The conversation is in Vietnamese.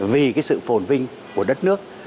vì cái sự phồn vinh của đất nước